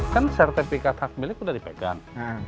kan sertifikat hak milik sudah dipegang